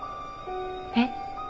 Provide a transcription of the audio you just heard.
えっ？